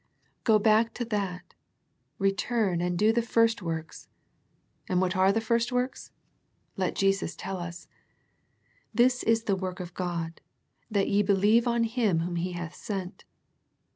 Go back to that, return and do the first works. And what are the first works? Let Jesus tell us, " This is the work of God, that ye believe on Him Whom He hath sent."